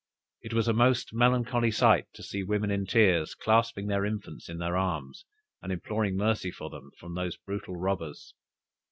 It was a most melancholy sight to see women in tears, clasping their infants in their arms, and imploring mercy for them from those brutal robbers!